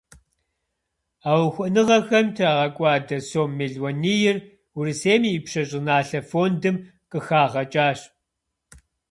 А ухуэныгъэхэм трагъэкӏуэда сом мелуанийр Урысейм и Ипщэ щӏыналъэ фондым къыхагъэкӏащ.